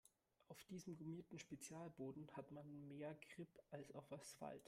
Auf diesem gummierten Spezialboden hat man mehr Grip als auf Asphalt.